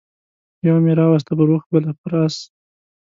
يوه مې راوسته پر اوښ بله پر اس